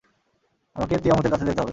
আমাকে তিয়ামুতের কাছে যেতে হবে।